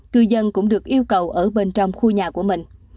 cư dân cũng được yêu cầu ở bên trong khu nhà của mình